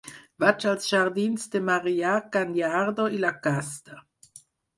Vaig als jardins de Marià Cañardo i Lacasta.